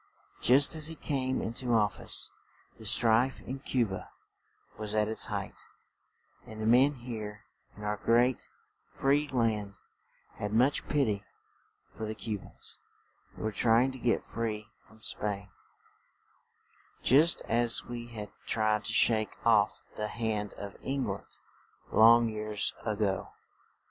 Just as he came in to of fice, the strife in Cu ba was at its height; and men here in our great, free land had much pit y for the Cu bans, who were try ing to get free from Spain, just as we had tried to shake off the hand of Eng land long years a go.